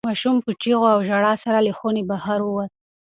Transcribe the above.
ماشوم په چیغو او ژړا سره له خونې بهر ووت.